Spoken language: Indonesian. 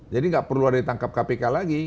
jadi nggak perlu ada yang tangkap kpk lagi